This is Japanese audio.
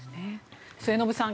末延さん